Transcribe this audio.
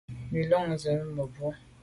Bin lo zin mebwô.